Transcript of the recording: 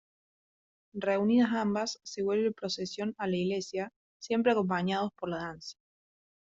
Reunidas ambas, se vuelve en procesión a la iglesia, siempre acompañados por la danza.